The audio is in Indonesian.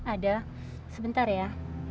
ada sebentar ya